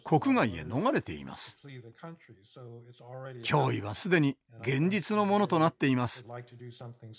脅威は既に現実のものとなっています。